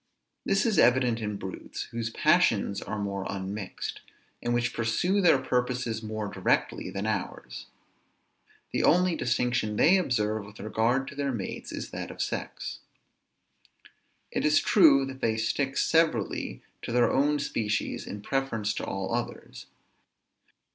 This is evident in brutes, whose passions are more unmixed, and which pursue their purposes more directly than ours. The only distinction they observe with regard to their mates, is that of sex. It is true, that they stick severally to their own species in preference to all others.